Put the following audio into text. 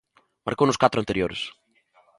Marcou nos catro anteriores.